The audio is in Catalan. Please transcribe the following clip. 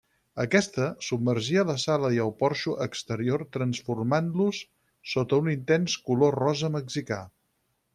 Aquesta, submergia la sala i el porxo exterior transformant-los sota un intens color rosa mexicà.